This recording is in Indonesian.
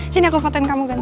sini aku fotoin kamu kan